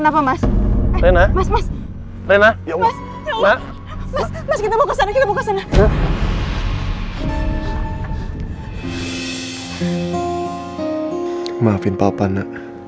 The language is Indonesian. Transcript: maafin papa yang gak menepati janji papa sama kamu hari ini